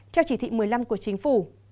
theo chỉ thị một mươi năm của chính phủ